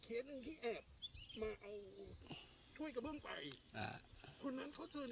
เอาถ้วยกระเปื้องไปอ่าคนนั้นเขาเนี่ยลักษณะอย่างนี้นะ